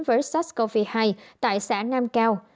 với sars cov hai tại xã nam cao